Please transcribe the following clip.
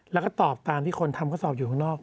แล้วก็ตอบตามที่คนทำข้อสอบอยู่ข้างนอก